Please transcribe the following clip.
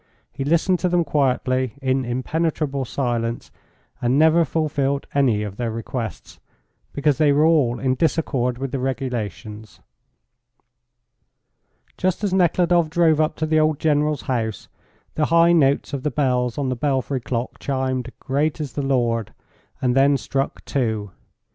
He listened to them quietly, in impenetrable silence, and never fulfilled any of their requests, because they were all in disaccord with the regulations. Just as Nekhludoff drove up to the old General's house, the high notes of the bells on the belfry clock chimed "Great is the Lord," and then struck two.